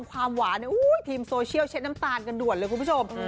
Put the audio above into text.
ความหวานทีมโซเชียลเช็ดน้ำตาลกันด่วนเลยคุณผู้ชม